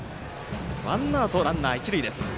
ワンアウト、ランナー、一塁です。